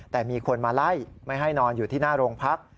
แต่มีคนมาไล่ไม่ให้นอนอยู่ที่หน้าโรงพัก